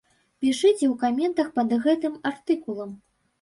Пішыце ў каментах пад гэтым артыкулам.